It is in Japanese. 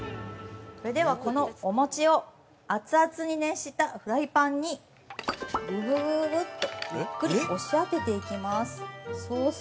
では、このお餅を熱々に熱したフライパンにググッとゆっくり押し当てていきます。